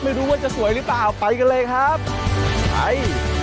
ไม่รู้ว่าจะสวยหรือเปล่าไปกันเลยครับไป